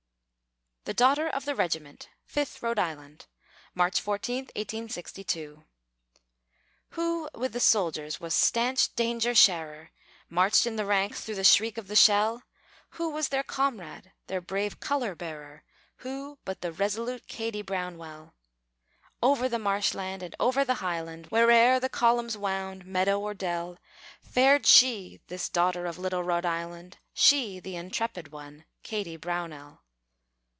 THE DAUGHTER OF THE REGIMENT (FIFTH RHODE ISLAND) [March 14, 1862] Who with the soldiers was stanch danger sharer, Marched in the ranks through the shriek of the shell? Who was their comrade, their brave color bearer? Who but the resolute Kady Brownell! Over the marshland and over the highland, Where'er the columns wound, meadow or dell, Fared she, this daughter of little Rhode Island, She, the intrepid one, Kady Brownell!